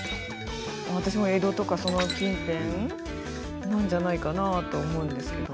私も江戸とかその近辺なんじゃないかなと思うんですけど。